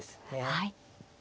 はい。